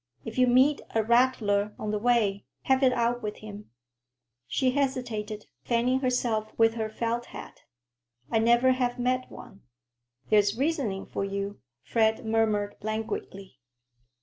If you meet a rattler on the way, have it out with him." She hesitated, fanning herself with her felt hat. "I never have met one." "There's reasoning for you," Fred murmured languidly.